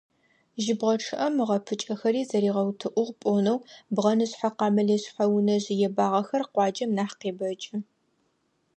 Жьыбгъэ чъыӀэм ыгъэпӀыкӀэхи заригъэутӀыӀугъ пloнэу, бгъэнышъхьэ-къамылышъхьэ унэжъ ебагъэхэр къуаджэм нахь къебэкӀы.